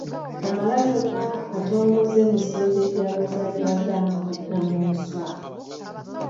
Kamalabyonna atongozza emisinde gy'amazaalibwa ga Nnamunswa